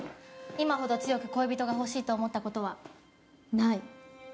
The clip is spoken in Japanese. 今ほど強く恋人が欲しいと思ったことはない。